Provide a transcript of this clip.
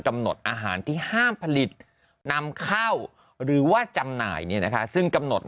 กำหนดอาหารที่ห้ามผลิตนำเข้าหรือว่าจำหน่ายซึ่งกำหนด